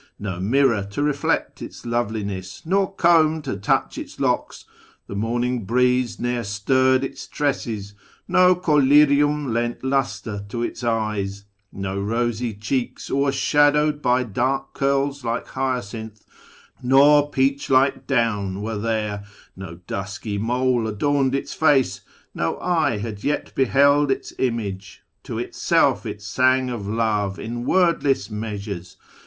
No mirror to reflect Its loveliness, Nor coml> to touch Its locks ; the morning breeze Ne'er stirred Its tresses ; no collyrium Lent lustre to Its eyes : no rosy cheeks O'ershadowed by dark curls like hyacinth, Nor peach like down were there ; no dusky mole Adorned Its face ; no eye hail yet beheld Its image. To Itself it sang of love In wordless measures.